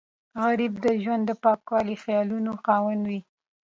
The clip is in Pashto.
غریب د ژوند د پاکو خیالونو خاوند وي